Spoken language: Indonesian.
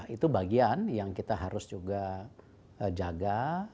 itu bagian yang kita harus juga jaga